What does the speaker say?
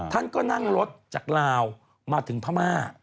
ท่านก็นั่งรถจากลาวมาถึงพม่า